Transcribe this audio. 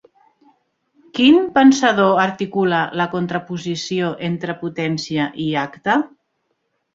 Quin pensador articula la contraposició entre potència i acte?